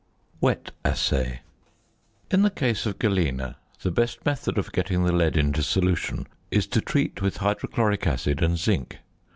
WET ASSAY. In the case of galena the best method of getting the lead into solution is to treat with hydrochloric acid and zinc.